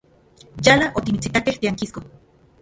Yala otimitsitakej tiankisko.